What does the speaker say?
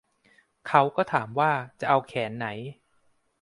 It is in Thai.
เขาก็ถามว่าจะเอาแขนไหน